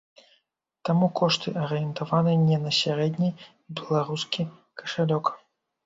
Таму кошты арыентаваны не на сярэдні беларускі кашалёк.